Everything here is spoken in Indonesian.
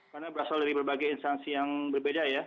karena berasal dari berbagai instansi yang berbeda ya